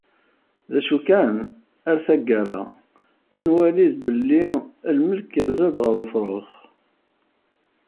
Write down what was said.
D acu kan, ar taggara, ad nwali d belli lmelk irza-d ɣer ufṛux.